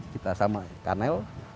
kita sama karnel